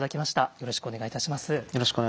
よろしくお願いします。